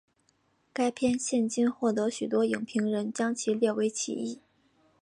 该片现今获得许多影评人将其列为之一。